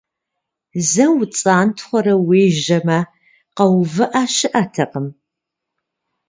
Зэ уцӀантхъуэрэ уежьамэ, къэувыӀэ щыӀэтэкъым.